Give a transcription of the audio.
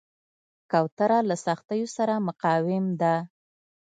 کوتره له سختیو سره مقاوم ده.